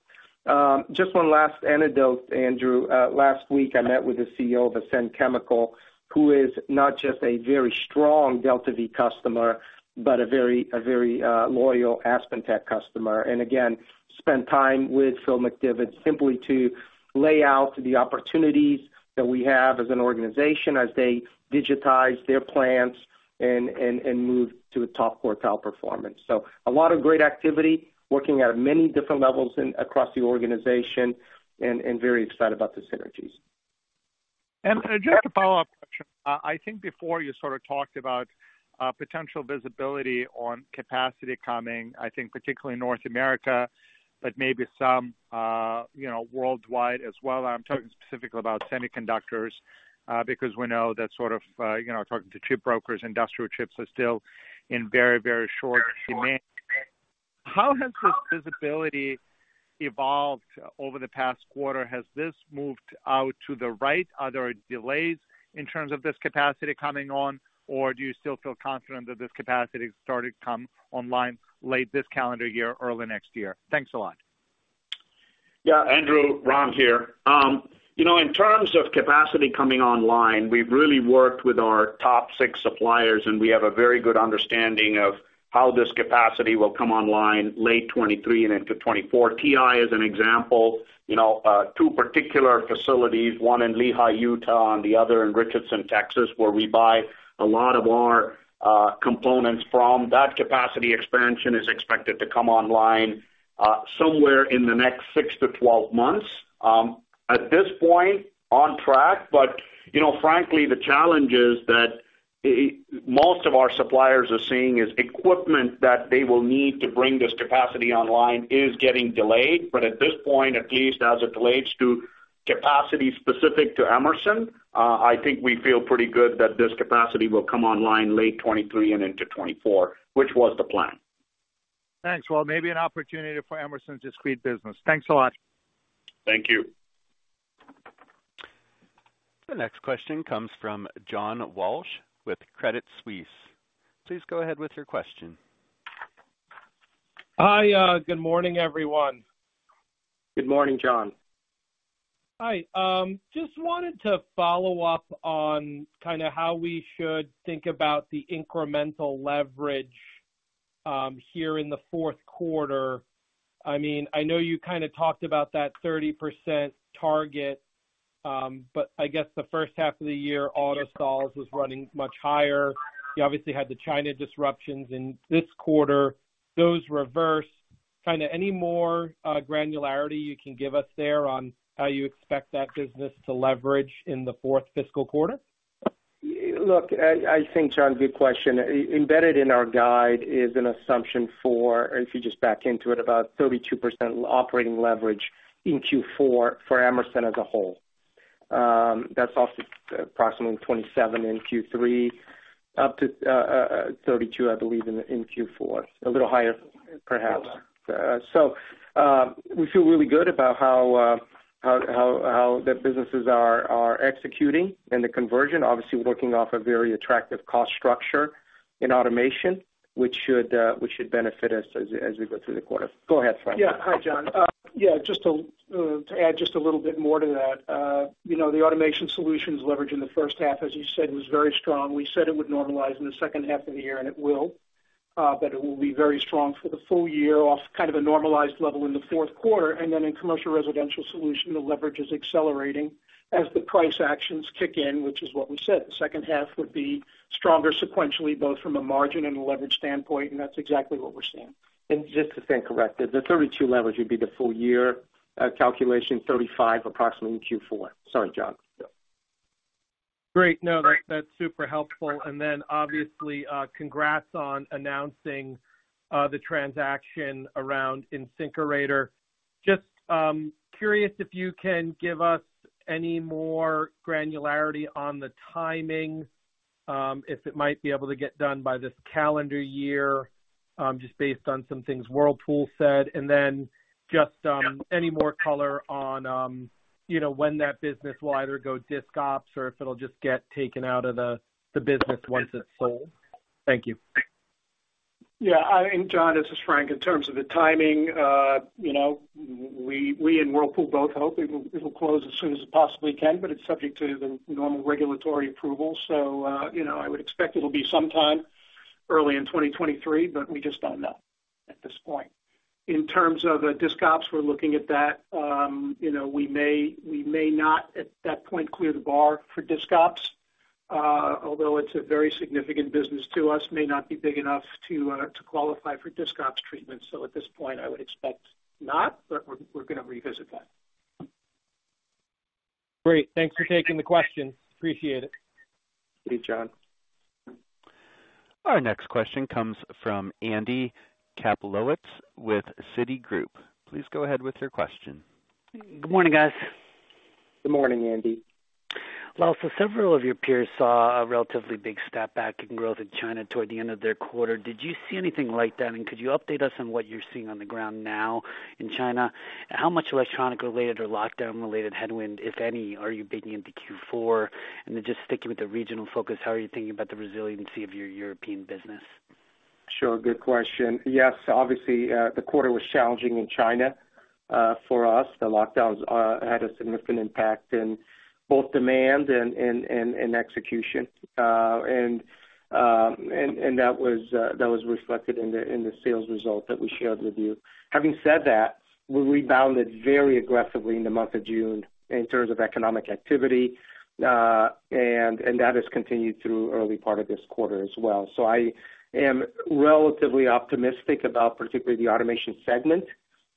Just one last anecdote, Andrew. Last week, I met with the CEO of Ascend Performance Materials, who is not just a very strong DeltaV customer, but a very loyal AspenTech customer. Again, spent time with Phil McDivitt simply to lay out the opportunities that we have as an organization as they digitize their plants and move to a top quartile performance. A lot of great activity, working at many different levels in and across the organization, and very excited about the synergies. Just a follow-up question. I think before you talked about, potential visibility on capacity coming, I think particularly in North America, but maybe some, worldwide as well. I'm talking specifically about semiconductors, because we know that sort of, talking to chip brokers, industrial chips are still in very, very short demand. How has this visibility evolved over the past quarter? Has this moved out to the right? Are there delays in terms of this capacity coming on? Or do you still feel confident that this capacity started to come online late this calendar year, early next year? Thanks a lot. Andrew, Ram here. In terms of capacity coming online, we've really worked with our top six suppliers, and we have a very good understanding of how this capacity will come online late 2023 and into 2024. TI is an example. Two particular facilities, one in Lehi, Utah, and the other in Richardson, Texas, where we buy a lot of our components. That capacity expansion is expected to come online somewhere in the next six to 12 months. At this point, on track, but frankly, the challenge is that most of our suppliers are seeing is equipment that they will need to bring this capacity online is getting delayed. At this point, at least as it relates to capacity specific to Emerson, I think we feel pretty good that this capacity will come online late 2023 and into 2024, which was the plan. Thanks. Well, maybe an opportunity for Emerson's discrete business. Thanks a lot. Thank you. The next question comes from John Walsh with Credit Suisse. Please go ahead with your question. Hi. Good morning, everyone. Good morning, John. Hi. Just wanted to follow up on kind of how we should think about the incremental leverage, here in the Q4. I mean, I know you kind of talked about that 30% target, but I guess the first half of the year, Automation Solutions was running much higher. You obviously had the China disruptions in this quarter. Those reversed. Kind of any more granularity you can give us there on how you expect that business to leverage in the fourth fiscal quarter? Look, I think, John, good question. Embedded in our guide is an assumption for, if you just back into it, about 32% operating leverage in Q4 for Emerson as a whole. That's also approximately 27% in Q3, up to 32%, I believe in Q4. A little higher, perhaps. We feel really good about how the businesses are executing and the conversion. Obviously, we're working off a very attractive cost structure in automation, which should benefit us as we go through the quarter. Go ahead, Frank. Hi, John. Just to add just a little bit more to that. The Automation Solutions leverage in the first half, as you said, was very strong. We said it would normalize in the second half of the year, and it will. But it will be very strong for the full year off kind of a normalized level in the Q4. Then in Commercial and Residential Solutions, the leverage is accelerating as the price actions kick in, which is what we said. The second half would be stronger sequentially, both from a margin and a leverage standpoint, and that's exactly what we're seeing. Just to stand corrected, the 32 leverage would be the full year calculation, 35 approximately in Q4. Sorry, John. Great. No, that's super helpful. Obviously, congrats on announcing the transaction around InSinkErator. Just curious if you can give us any more granularity on the timing, if it might be able to get done by this calendar year, just based on some things Whirlpool said. Just any more color on, when that business will either go disc ops, or if it'll just get taken out of the business once it's sold. Thank you. I mean, John, this is Frank Dellaquilla. In terms of the timing, Whirlpool and we both hope it will, it'll close as soon as it possibly can, but it's subject to the normal regulatory approval. I would expect it will be sometime early in 2023, but we just don't know at this point. In terms of disc ops, we're looking at that. We may not, at that point clear the bar for disc ops. Although it's a very significant business to us, may not be big enough to qualify for disc ops treatment. At this point, I would expect not, but we're gonna revisit that. Great. Thanks for taking the question. Appreciate it. Thank you, John. Our next question comes from Andy Kaplowitz with Citigroup. Please go ahead with your question. Good morning, guys. Good morning, Andy. Lal, several of your peers saw a relatively big step back in growth in China toward the end of their quarter. Did you see anything like that? And could you update us on what you're seeing on the ground now in China? How much electronic-related or lockdown-related headwind, if any, are you baking into Q4? And then just sticking with the regional focus, how are you thinking about the resiliency of your European business? Sure. Good question. Yes, obviously, the quarter was challenging in China for us. The lockdowns had a significant impact in both demand and execution. That was reflected in the sales results that we shared with you. Having said that, we rebounded very aggressively in the month of June in terms of economic activity, and that has continued through early part of this quarter as well. I am relatively optimistic about particularly the automation segment,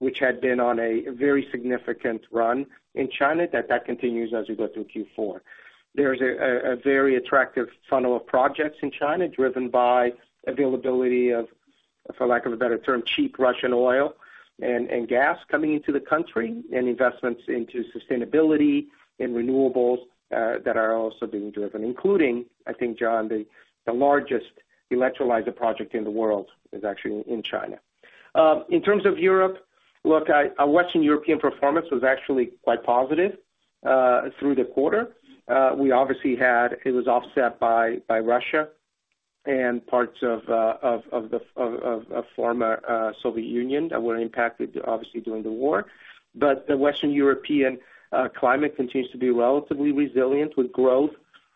which had been on a very significant run in China, that continues as we go through Q4. There's a very attractive funnel of projects in China driven by the availability of, for lack of a better term, cheap Russian oil and gas coming into the country and investments into sustainability and renewables that are also being driven, including, I think, John, the largest Electrolyzer project in the world is actually in China. In terms of Europe, look, our Western European performance was actually quite positive through the quarter. It was offset by Russia. Parts of the former Soviet Union that were impacted obviously during the war. The Western European climate continues to be relatively resilient with growth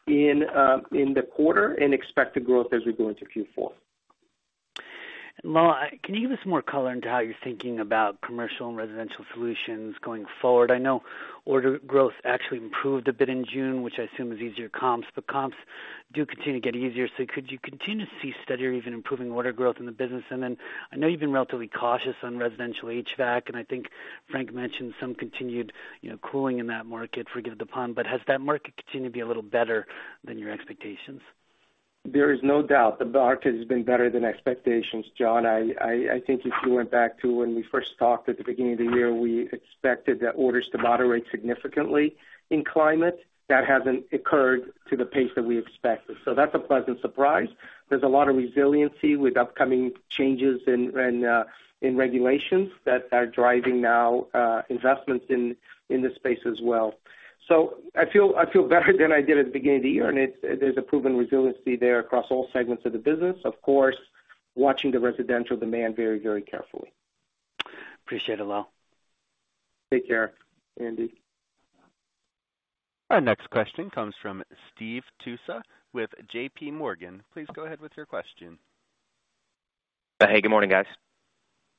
in the quarter and expected growth as we go into Q4. Lal, can you give us more color into how you're thinking about commercial and residential solutions going forward? I know order growth actually improved a bit in June, which I assume is easier comps, but comps do continue to get easier. Could you continue to see steadier even improving order growth in the business? I know you've been relatively cautious on residential HVAC, and I think Frank mentioned some continued, cooling in that market. Forgive the pun. Has that market continued to be a little better than your expectations? There is no doubt the market has been better than expectations, John. I think if you went back to when we first talked at the beginning of the year, we expected the orders to moderate significantly in climate. That hasn't occurred to the pace that we expected. That's a pleasant surprise. There's a lot of resiliency with upcoming changes in regulations that are driving now investments in this space as well. I feel better than I did at the beginning of the year, and there's a proven resiliency there across all segments of the business. Of course, watching the residential demand very, very carefully. Appreciate it, Lal Karsanbhai. Take care, Andy. Our next question comes from Stephen Tusa with JP Morgan. Please go ahead with your question. Hey, good morning, guys.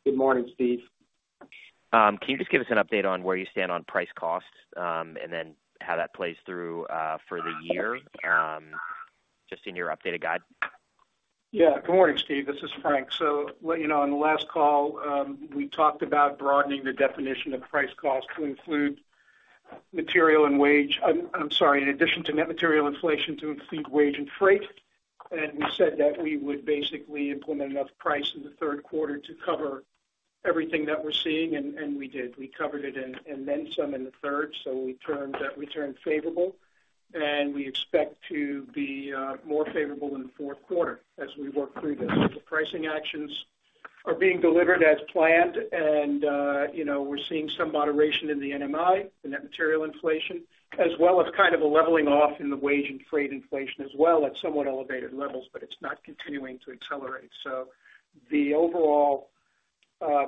Good morning, Steve. Can you just give us an update on where you stand on price costs, and then how that plays through for the year, just in your updated guide? Good morning, Steve. This is Frank. To let on the last call, we talked about broadening the definition of price cost in addition to net material inflation to include wage and freight. We said that we would basically implement enough price in the Q3 to cover everything that we're seeing, and we did. We covered it and then some in the third. We turned favorable, and we expect to be more favorable in the Q4 as we work through this. The pricing actions are being delivered as planned, and, we're seeing some moderation in the NMI, the net material inflation, as well as kind of a leveling off in the wage and freight inflation as well at somewhat elevated levels, but it's not continuing to accelerate. The overall,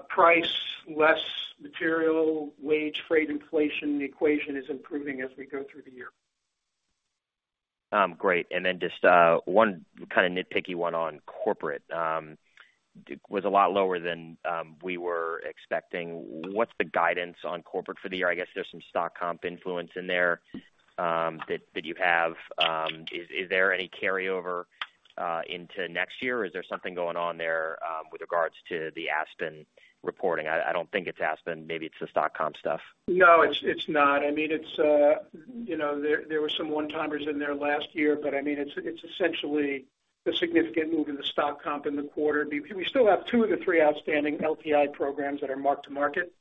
price, less material, wage, freight inflation equation is improving as we go through the year. Great. Just one kind of nitpicky one on corporate. It was a lot lower than we were expecting. What's the guidance on corporate for the year? I guess there's some stock comp influence in there that you have. Is there any carryover into next year? Is there something going on there with regards to the Aspen reporting? I don't think it's Aspen, maybe it's the stock comp stuff. No, it's not. I mean, it's there were some one-timers in there last year, but I mean, it's essentially the significant move in the stock comp in the quarter. We still have two of the three outstanding LTI programs that are mark-to-market.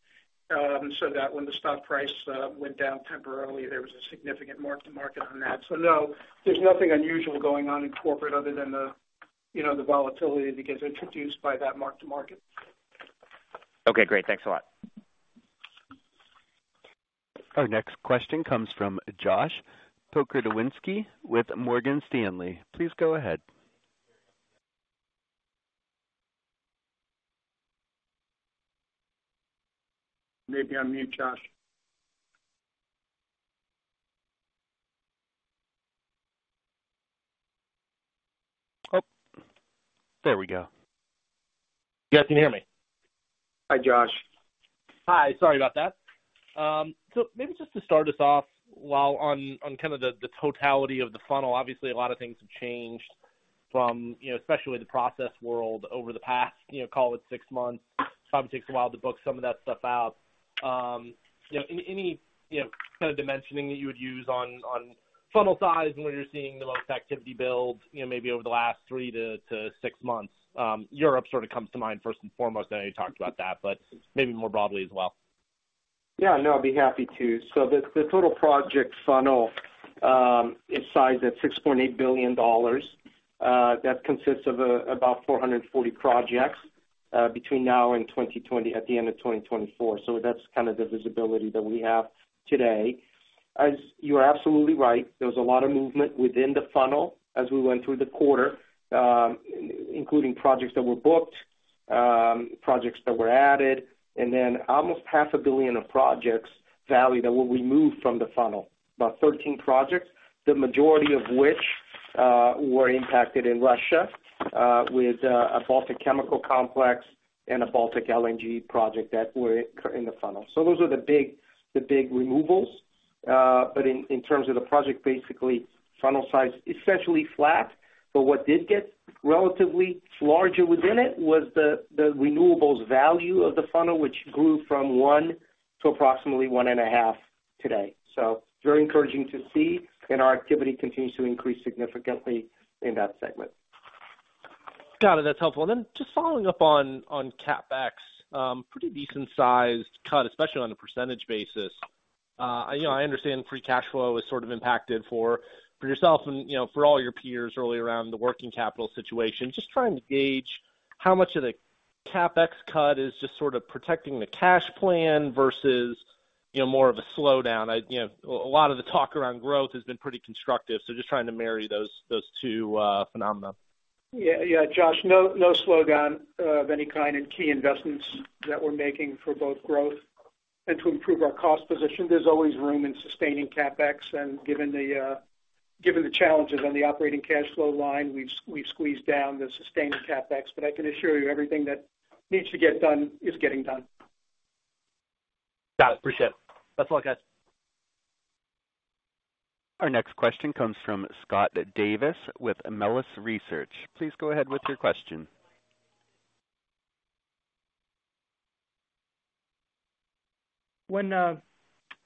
So that when the stock price went down temporarily, there was a significant mark-to-market on that. No, there's nothing unusual going on in corporate other than the the volatility that gets introduced by that mark-to-market. Okay, great. Thanks a lot. Our next question comes from Josh Pokrzywinski with Morgan Stanley. Please go ahead. Maybe on mute, Josh. There we go. You guys can hear me? Hi, Josh. Hi. Sorry about that. Maybe just to start us off, while on kind of the totality of the funnel, obviously a lot of things have changed from, especially the process world over the past, call it six months. It probably takes a while to book some of that stuff out. any kind of dimensioning that you would use on funnel size and where you're seeing the most activity build, maybe over the last three to six months. Europe sort of comes to mind first and foremost. I know you talked about that, but maybe more broadly as well. No, I'd be happy to. The total project funnel is sized at $6.8 billion. That consists of about 440 projects between now and the end of 2024. That's kind of the visibility that we have today. As you are absolutely right, there was a lot of movement within the funnel as we went through the quarter, including projects that were booked, projects that were added, and then almost half a billion dollars of projects value that were removed from the funnel. About 13 projects, the majority of which were impacted in Russia, with a Baltic chemical complex and a Baltic LNG project that were in the funnel. Those are the big removals. But in terms of the project basically funnel size, essentially flat. What did get relatively larger within it was the renewables value of the funnel, which grew from 1 to approximately 1.5 today. Very encouraging to see. Our activity continues to increase significantly in that segment. Got it. That's helpful. Just following up on CapEx, pretty decent-sized cut, especially on a percentage basis. I understand free cash flow is sort of impacted for yourself and, for all your peers really, around the working capital situation. Just trying to gauge how much of the CapEx cut is just sort of protecting the cash plan versus more of a slowdown. A lot of the talk around growth has been pretty constructive, so just trying to marry those two phenomena. Josh, no slowdown of any kind in key investments that we're making for both growth and to improve our cost position. There's always room in sustaining CapEx, and given the challenges on the operating cash flow line, we've squeezed down the sustaining CapEx, but I can assure you everything that needs to get done is getting done. Got it. Appreciate it. Best of luck, guys. Our next question comes from Scott Davis with Melius Research. Please go ahead with your question. When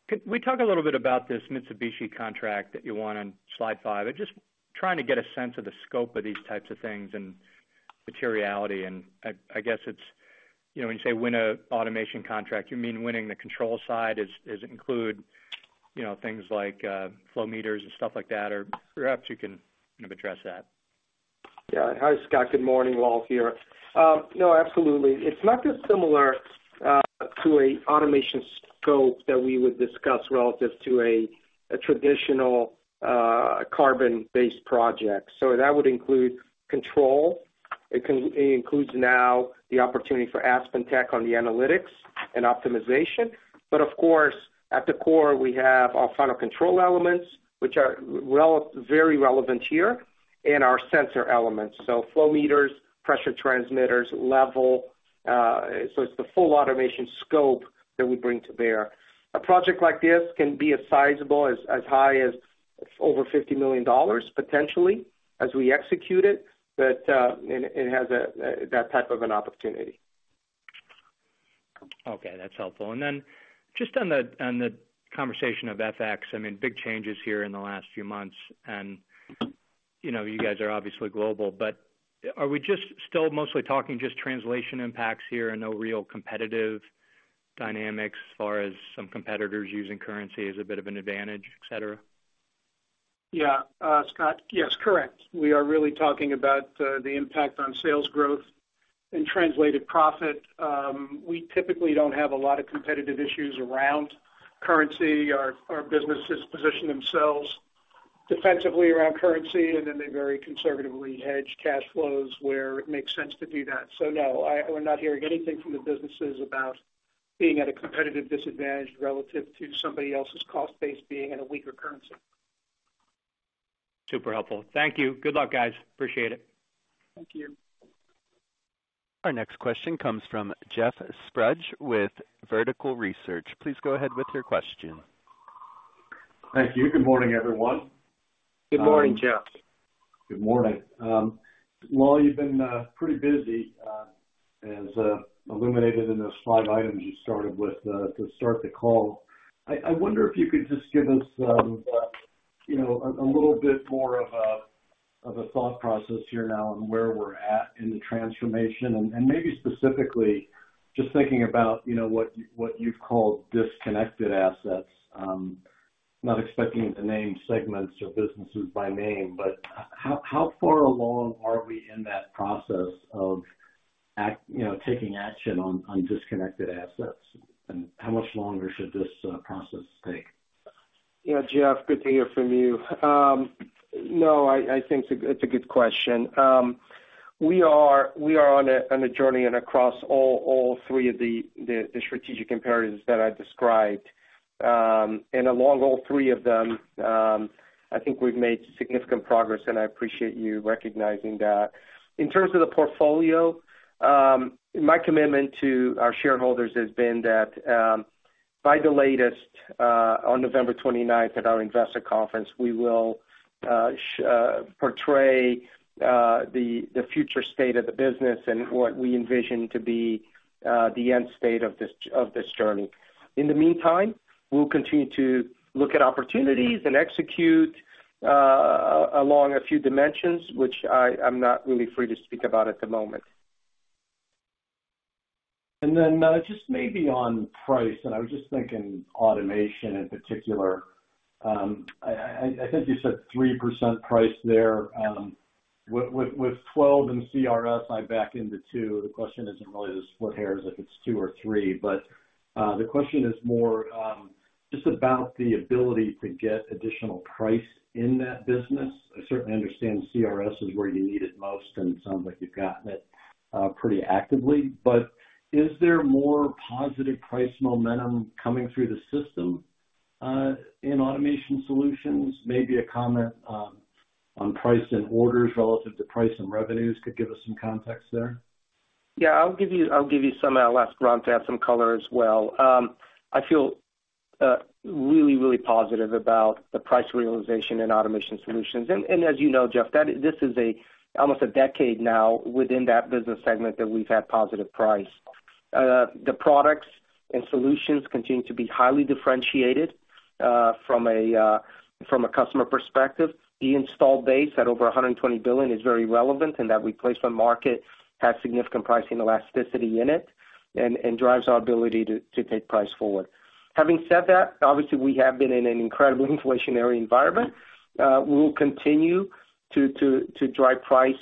could we talk a little bit about this Mitsubishi contract that you won on slide 5? I'm just trying to get a sense of the scope of these types of things and materiality, and I guess it's, when you say win an automation contract, you mean winning the control side. Does it include, things like flow meters and stuff like that? Or perhaps you can kind of address that. Hi, Scott. Good morning. Lal here. No, absolutely. It's not dissimilar to an automation scope that we would discuss relative to a traditional carbon-based project. That would include control. It includes now the opportunity for AspenTech on the analytics and optimization. Of course, at the core, we have our final control elements, which are very relevant here, and our sensor elements, so flow meters, pressure transmitters, level. It's the full automation scope that we bring to bear. A project like this can be as sizable as high as over $50 million potentially as we execute it. It has that type of an opportunity. Okay, that's helpful. Then just on the conversation of FX, I mean, big changes here in the last few months, and, you guys are obviously global, but are we just still mostly talking just translation impacts here and no real competitive dynamics as far as some competitors using currency as a bit of an advantage, et cetera? Scott. Yes, correct. We are really talking about the impact on sales growth and translated profit. We typically don't have a lot of competitive issues around currency. Our businesses position themselves defensively around currency, and then they very conservatively hedge cash flows where it makes sense to do that. No, we're not hearing anything from the businesses about being at a competitive disadvantage relative to somebody else's cost base being at a weaker currency. Super helpful. Thank you. Good luck, guys. Appreciate it. Thank you. Our next question comes from Jeffrey Sprague with Vertical Research. Please go ahead with your question. Thank you. Good morning, everyone. Good morning, Jeff. Good morning. Lal, you've been pretty busy, as illustrated in those slide items you started with, to start the call. I wonder if you could just give us a little bit more of a thought process here now on where we're at in the transformation, and maybe specifically just thinking about what you've called disconnected assets. Not expecting you to name segments or businesses by name, but how far along are we in that process of taking action on disconnected assets, and how much longer should this process take? Jeff, good to hear from you. No, I think it's a good question. We are on a journey and across all three of the strategic imperatives that I described. Along all three of them, I think we've made significant progress, and I appreciate you recognizing that. In terms of the portfolio, my commitment to our shareholders has been that, by the latest, on November twenty-ninth at our investor conference, we will portray the future state of the business and what we envision to be the end state of this journey. In the meantime, we'll continue to look at opportunities and execute along a few dimensions which I'm not really free to speak about at the moment. Just maybe on price, and I was just thinking automation in particular. I think you said 3% price there. With 12 in CRS, I back into 2. The question isn't really to split hairs if it's 2 or 3, but the question is more just about the ability to get additional price in that business. I certainly understand CRS is where you need it most, and it sounds like you've gotten it pretty actively. Is there more positive price momentum coming through the system in Automation Solutions? Maybe a comment on price and orders relative to price and revenues could give us some context there. I'll give you some last round to add some color as well. I feel really positive about the price realization in Automation Solutions. As Jeff, this is almost a decade now within that business segment that we've had positive price. The products and solutions continue to be highly differentiated from a customer perspective. The install base at over $100 billion is very relevant, and that replacement market has significant pricing elasticity in it and drives our ability to take price forward. Having said that, obviously, we have been in an incredibly inflationary environment. We will continue to drive price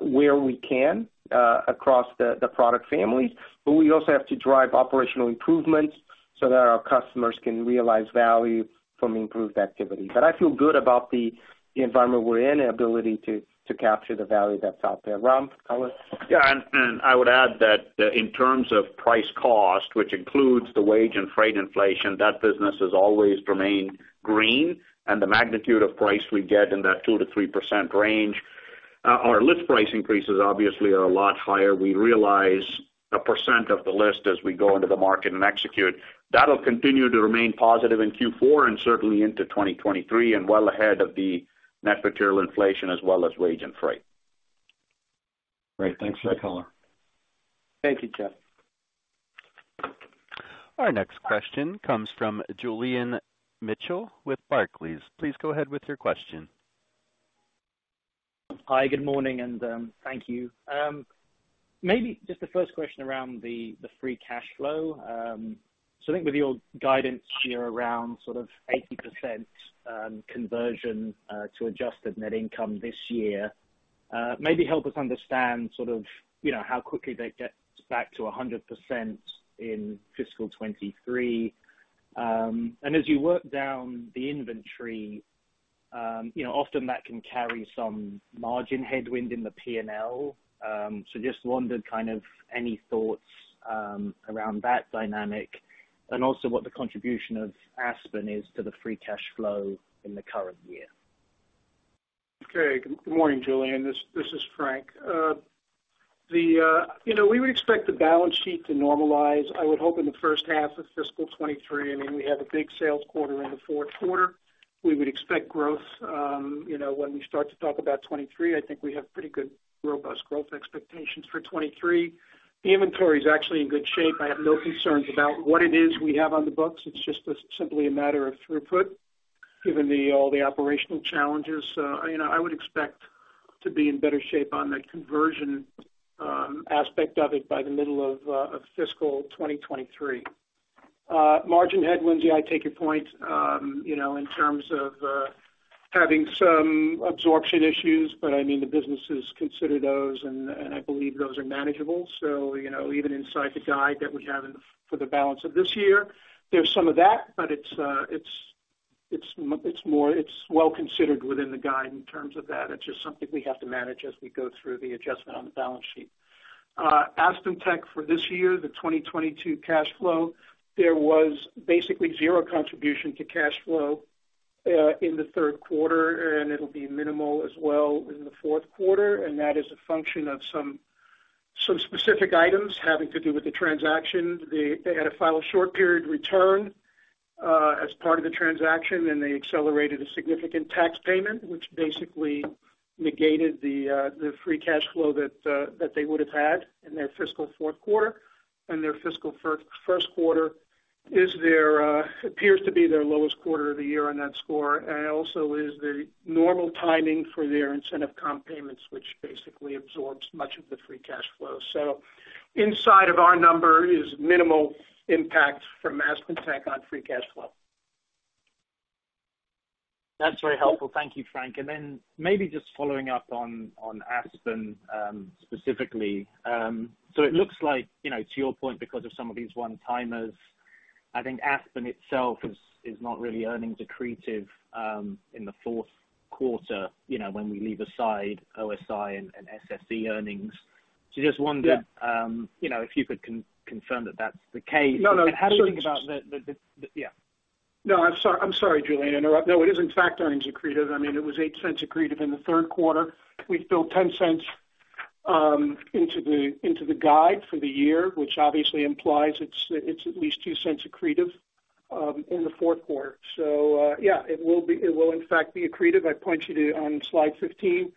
where we can across the product families, but we also have to drive operational improvements so that our customers can realize value from improved activity. I feel good about the environment we're in and ability to capture the value that's out there. Ram, colors? I would add that in terms of price cost, which includes the wage and freight inflation, that business has always remained green. The magnitude of price we get in that 2%-3% range. Our list price increases obviously are a lot higher. We realize a percent of the list as we go into the market and execute. That'll continue to remain positive in Q4 and certainly into 2023 and well ahead of the net material inflation as well as wage and freight. Great. Thanks, Ram. Thank you, Jeff. Our next question comes from Julian Mitchell with Barclays. Please go ahead with your question. Hi, good morning, thank you. Maybe just the first question around the free cash flow. I think with your guidance here around sort of 80% conversion to adjusted net income this year, maybe help us understand sort of, how quickly that gets back to 100% in fiscal 2023. As you work down the inventory, often that can carry some margin headwind in the P&L. Just wondered kind of any thoughts around that dynamic, and also what the contribution of Aspen is to the free cash flow in the current year? Okay. Good morning, Julian. This is Frank. we would expect the balance sheet to normalize, I would hope in the first half of fiscal 2023. I mean, we have a big sales quarter in the Q4. We would expect growth, when we start to talk about 2023. I think we have pretty good robust growth expectations for 2023. The inventory is actually in good shape. I have no concerns about what it is we have on the books. It's just simply a matter of throughput given all the operational challenges. I would expect to be in better shape on that conversion aspect of it by the middle of fiscal 2023. Margin headwinds. I take your point, in terms of having some absorption issues, but I mean, the businesses consider those and I believe those are manageable. even inside the guide that we have in for the balance of this year, there's some of that, but it's more, it's well considered within the guide in terms of that. It's just something we have to manage as we go through the adjustment on the balance sheet. AspenTech for this year, the 2022 cash flow, there was basically 0 contribution to cash flow in the Q3, and it'll be minimal as well in the Q4. That is a function of some specific items having to do with the transaction. They had to file a short period return as part of the transaction, and they accelerated a significant tax payment, which basically negated the free cash flow that they would have had in their fiscal Q4. Their fiscal first quarter appears to be their lowest quarter of the year on that score. Also is the normal timing for their incentive comp payments, which basically absorbs much of the free cash flow. Inside of our number is minimal impact from AspenTech on free cash flow. That's very helpful. Thank you, Frank. Maybe just following up on Aspen specifically. It looks like, to your point, because of some of these one-timers, I think Aspen itself is not really earnings accretive in the Q4, when we leave aside OSI and SSE earnings. Just wondering. If you could confirm that that's the case. No, no. How do you think about the? No, I'm sorry, Julian, to interrupt. No, it is in fact earnings accretive. I mean, it was $0.08 accretive in the Q3. We've built $0.10 into the guide for the year, which obviously implies it's at least $0.02 accretive in the Q4. it will in fact be accretive. I point you to slide 15,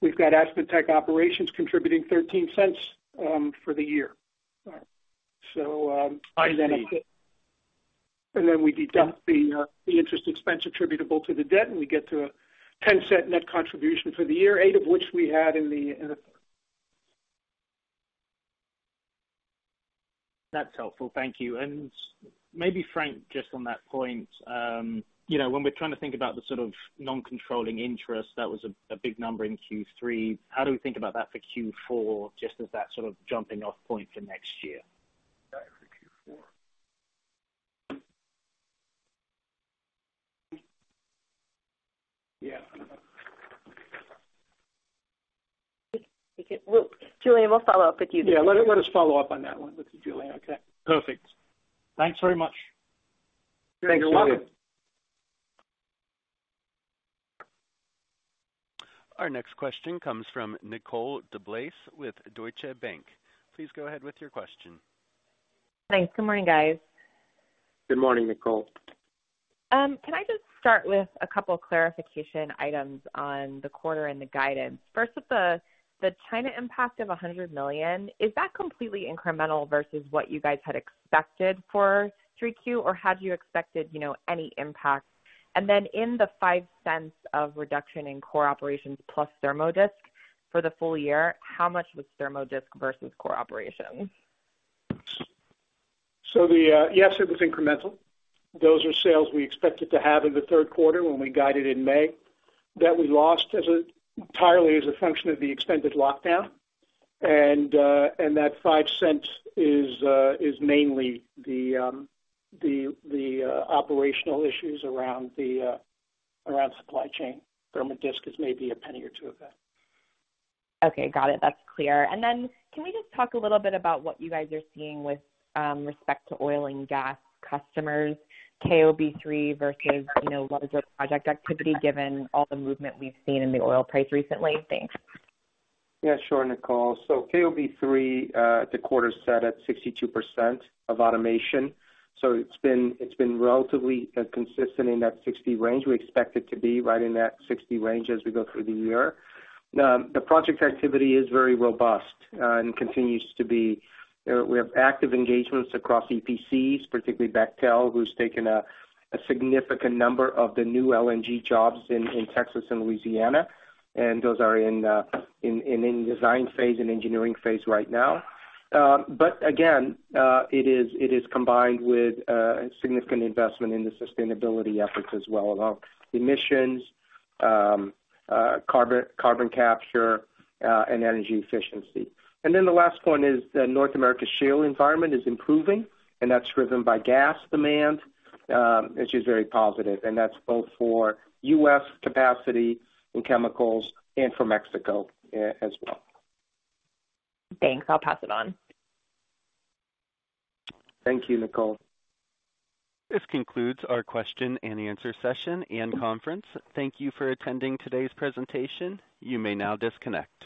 we've got AspenTech operations contributing $0.13 for the year. All right. I see. We deduct the interest expense attributable to the debt, and we get to a $0.10 net contribution for the year, $0.08 of which we had. That's helpful. Thank you. Maybe Frank, just on that point, when we're trying to think about the sort of non-controlling interest, that was a big number in Q3. How do we think about that for Q4 just as that sort of jumping off point for next year? Q4. Julian, we'll follow up with you. Let us follow up on that one with Julian, okay? Perfect. Thanks very much. Thanks a lot. You're welcome. Our next question comes from Nicole DeBlase with Deutsche Bank. Please go ahead with your question. Thanks. Good morning, guys. Good morning, Nicole. Can I just start with a couple clarification items on the quarter and the guidance? First with the China impact of $100 million, is that completely incremental versus what you guys had expected for 3Q, or had you expected, any impact? In the $0.05 of reduction in core operations plus Therm-O-Disc for the full year, how much was Therm-O-Disc versus core operations? It was incremental. Those are sales we expected to have in the Q3 when we guided in May that we lost entirely as a function of the extended lockdown. That five cents is mainly the operational issues around supply chain. Therm-O-Disc is maybe a penny or two of that. Okay. Got it. That's clear. Then can we just talk a little bit about what you guys are seeing with respect to oil and gas customers, KOB 3 versus, what is your project activity given all the movement we've seen in the oil price recently? Thanks. Sure, Nicole. KOB 3, the quarter set at 62% of automation, it's been relatively consistent in that 60 range. We expect it to be right in that 60 range as we go through the year. The project activity is very robust and continues to be. We have active engagements across EPCs, particularly Bechtel, who's taken a significant number of the new LNG jobs in Texas and Louisiana, and those are in design phase and engineering phase right now. It is combined with significant investment in the sustainability efforts as well around emissions, carbon capture, and energy efficiency. The last point is the North America shale environment is improving, and that's driven by gas demand, which is very positive, and that's both for U.S. capacity and chemicals and for Mexico as well. Thanks. I'll pass it on. Thank you, Nicole. This concludes our question and answer session and conference. Thank you for attending today's presentation. You may now disconnect.